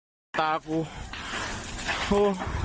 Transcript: เย็นหนังตากูโอ้